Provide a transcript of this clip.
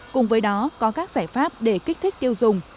cùng với đó có các giải pháp để kích thích tiêu dùng